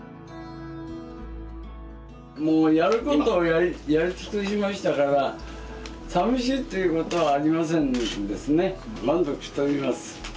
もうやることをやりつくしましたからさみしいっていうことはありませんですね。